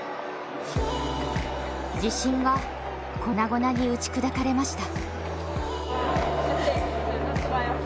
自信は粉々に打ち砕かれました。